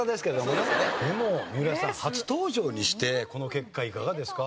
でも三浦さん初登場にしてこの結果いかがですか？